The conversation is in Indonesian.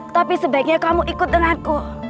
tapi sebaiknya kamu ikut denganku